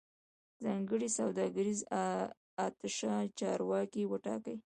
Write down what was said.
ځانګړی سوداګریز اتشه چارواکي وټاکي